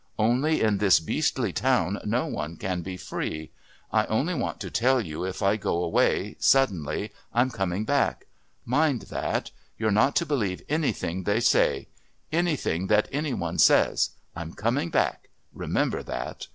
Only in this beastly town no one can be free.... I only want to tell you if I go away suddenly I'm coming back. Mind that. You're not to believe anything they say anything that any one says. I'm coming back. Remember that.